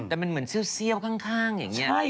แต่มันเหมือนเซี่ยวข้างอย่างนี้